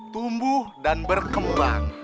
tumbuh dan berkembang